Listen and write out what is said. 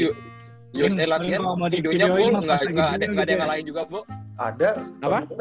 yosei latihan videonya full gak ada yang ngalahin juga bu